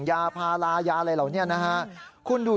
แกะออกมาไหนล่ะคุณไหนล่ะยา